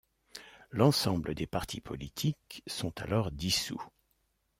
L'ensemble des partis politiques sont alors dissout.